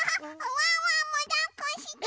ワンワンもだっこするの？